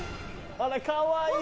あらかわいい！